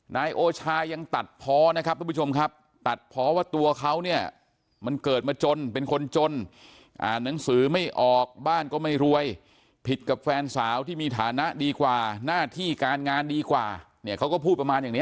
นายโอชายังตัดพอนะครับทุกผู้ชมครับตัดเพราะว่าตัวเขาเนี่ยมันเกิดมาจนเป็นคนจนอ่านหนังสือไม่ออกบ้านก็ไม่รวยผิดกับแฟนสาวที่มีฐานะดีกว่าหน้าที่การงานดีกว่าเนี่ยเขาก็พูดประมาณอย่างนี้